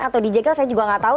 atau dijegel saya juga gak tau